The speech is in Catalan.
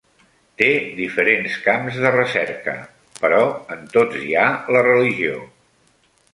Té diferents camps de recerca, però en tots hi ha la religió.